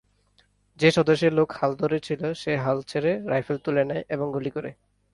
যে স্বদেশী লোক হাল ধরে ছিল সে হাল ছেড়ে রাইফেল তুলে নেয় এবং গুলি করে।